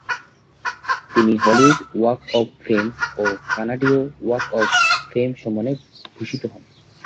তিনি Hollywood Walk of Fame ও কানাডীয় ওয়াক অব ফেম সম্মানে ভূষিত হন।